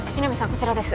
こちらです